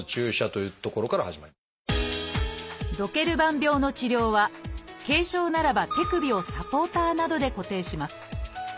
ドケルバン病の治療は軽症ならば手首をサポーターなどで固定します。